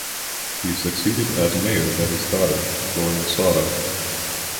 He was succeeded as mayor by his daughter, Lornna Soto.